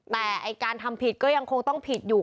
แต่การทำผิดก็ยังคงต้องผิดอยู่